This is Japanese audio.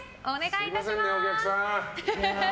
すみませんね、お客さん！